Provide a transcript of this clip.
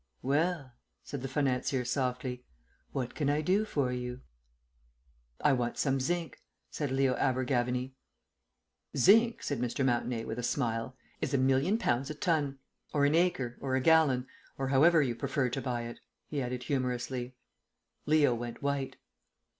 "Well," said the financier softly, "what can I do for you?" "I want some zinc," said Leo Abergavenny. "Zinc," said Mr. Mountenay, with a smile, "is a million pounds a ton. Or an acre, or a gallon, or however you prefer to buy it," he added humorously. Leo went white.